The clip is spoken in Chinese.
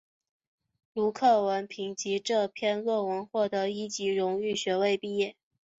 陆克文凭藉这篇论文获得一级荣誉学位毕业。